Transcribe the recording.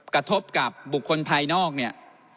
กระทบกับบุคคลภายนอกเนี่ย